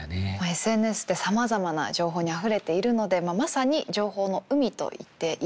ＳＮＳってさまざまな情報にあふれているのでまさに情報の海といっていいですよね。